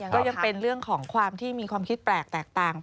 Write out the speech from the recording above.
ก็ยังเป็นเรื่องของความที่มีความคิดแปลกแตกต่าง